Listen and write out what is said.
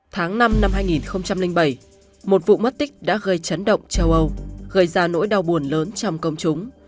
tháng năm năm hai nghìn bảy một vụ mất tích đã gây chấn động châu âu gây ra nỗi đau buồn lớn trong công chúng